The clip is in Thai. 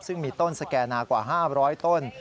ซึ่งมีต้นสแก่นากว่า๕๐๐ต้น